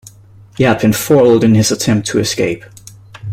He had been foiled in his attempt to escape.